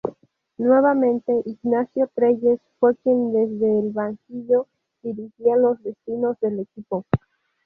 Nuevamente, Ignacio Trelles fue quien desde el banquillo dirigía los destinos del equipo.